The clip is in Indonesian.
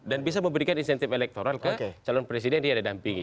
dan bisa memberikan insentif elektoral ke calon presiden yang dia dampingi